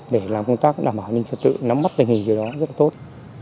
để làm công tác đảm bảo an ninh trật tự nắm bắt tình hình điều đó rất là tốt